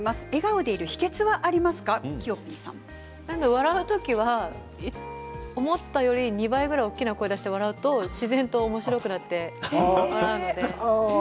笑う時は思ったより２倍ぐらいの大きな声を出して笑うと自然とおもしろくなります。